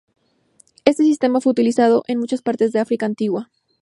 Este sistema fue utilizado en muchas partes del África antigua.